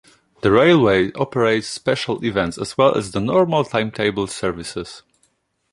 The railway operates special events as well as the normal timetabled services.